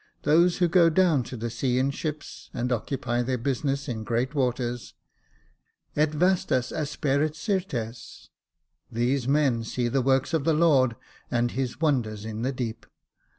" 'Those who go down to the sea in ships, and occupy their business in great waters j '—* Et vastus aper'tt Syrtes ;'—* These men see the works of the Lord, and his wonders in the deep.'